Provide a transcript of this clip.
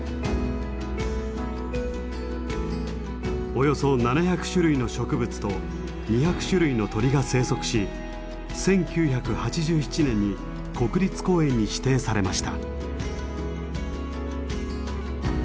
およそ７００種類の植物と２００種類の鳥が生息し１９８７年に国立公園に指定されました。